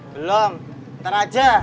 belum ntar aja